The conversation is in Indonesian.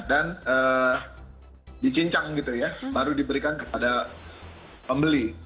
dan dicincang gitu ya baru diberikan kepada pembeli